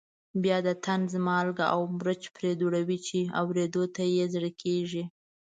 بیا د طنز مالګه او مرچ پرې دوړوي چې اورېدو ته یې زړه کېږي.